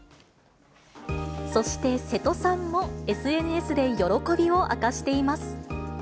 そして、瀬戸さんもＳＮＳで喜びを明かしています。